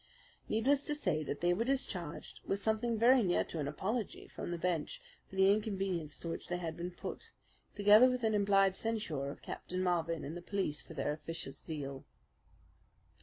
Needless to say that they were discharged with something very near to an apology from the bench for the inconvenience to which they had been put, together with an implied censure of Captain Marvin and the police for their officious zeal.